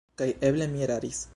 Kaj eble mi eraris!